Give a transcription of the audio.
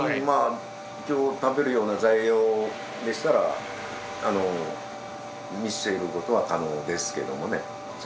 まあ食べるような材料でしたら見せることは可能ですけどもね。